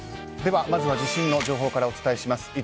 では、まずは地震の情報からお伝えします。